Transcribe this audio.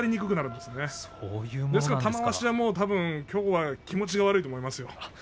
ですから玉鷲は、きょうは気持ちが悪いと思いますよ。